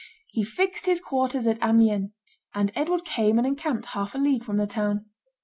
He fixed his quarters at Amiens, and Edward came and encamped half a league from the town.